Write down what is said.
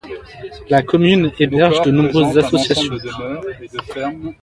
La commune héberge de nombreuses associations.